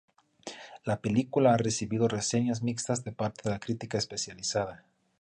La película ha recibido reseñas mixtas de parte de la crítica especializada.